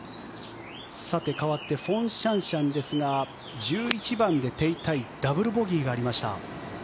さて、かわってフォン・シャンシャンですが１１番で手痛いダブルボギーがありました。